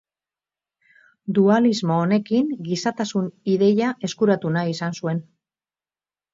Dualismo honekin, gizatasun ideia eskuratu nahi izan zuen.